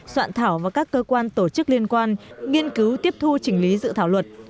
soạn thảo và các cơ quan tổ chức liên quan nghiên cứu tiếp thu chỉnh lý dự thảo luật